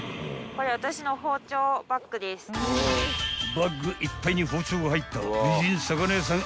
［バッグいっぱいに包丁が入った美人魚屋さん